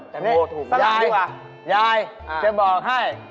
ใช่แตงโมถูกมากเลยครับยายยายจะบอกให้